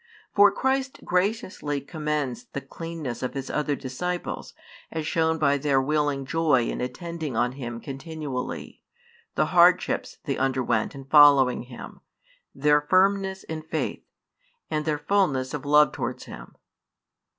For Christ graciously commends the cleanness of His other disciples, as shown by their willing joy in attending on Him continually, the hardship they underwent in following Him, their firmness in faith, and their fulness of love towards Him.